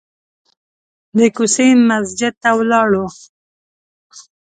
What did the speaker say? د کوڅې مسجد ته ولاړو.